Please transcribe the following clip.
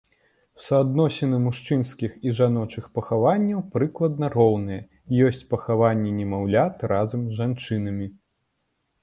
Суадносіны мужчынскіх і жаночых пахаванняў прыкладна роўныя, ёсць пахаванні немаўлят разам з жанчынамі.